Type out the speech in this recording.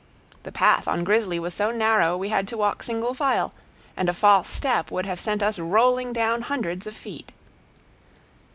The path on Grizzly was so narrow we had to walk single file, and a false step would have sent us rolling down hundreds of feet.